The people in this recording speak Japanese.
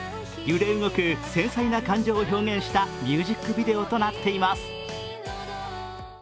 揺れ動く繊細な感情を表現したミュージックビデオとなっています。